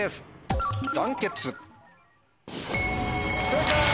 正解！